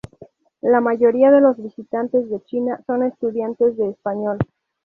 La mayoría de los visitantes de China son estudiantes de español.